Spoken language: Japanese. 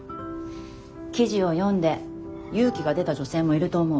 記事を読んで勇気が出た女性もいると思う。